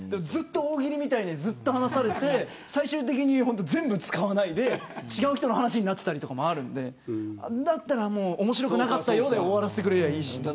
大喜利みたいに、ずっと話されて最終的に全部使わないで次の人の話になっていたりもあるのでだったら面白くなかったよ、で終わらせてくれればいいし。